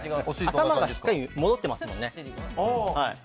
頭がしっかり戻ってますもんね。